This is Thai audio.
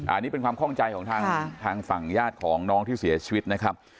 อันนี้เป็นความคล่องใจของทางฝั่งญาติของน้องที่เสียชีวิตนะครับ